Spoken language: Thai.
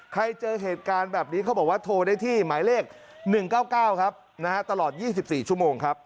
เจอเหตุการณ์แบบนี้เขาบอกว่าโทรได้ที่หมายเลข๑๙๙ครับตลอด๒๔ชั่วโมงครับ